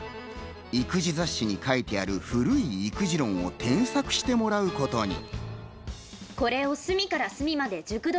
育児雑誌に書いてある古い育児論を添削してもらうことに。